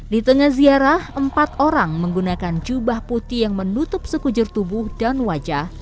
di tengah ziarah empat orang menggunakan jubah putih yang menutup sekujur tubuh dan wajah